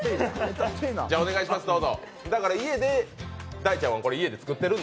大ちゃん、これ家で作ってると。